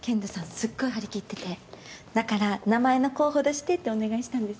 すっごい張り切っててだから名前の候補出してってお願いしたんです。